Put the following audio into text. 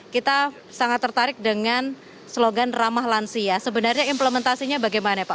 kita sangat tertarik dengan slogan ramah lansia sebenarnya implementasinya bagaimana pak